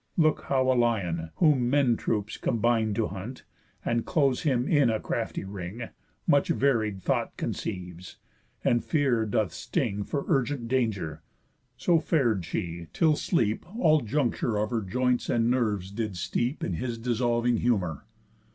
Look how a lion, whom men troops combine To hunt, and close him in a crafty ring, Much varied thought conceives, and fear doth sting For urgent danger; so far'd she, till sleep All juncture of her joints and nerves did steep In his dissolving humour.